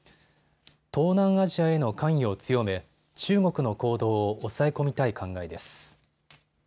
東南アジアへの関与を強め中国の行動を抑え込みたい考えです。